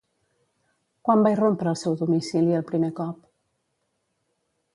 Quan va irrompre al seu domicili el primer cop?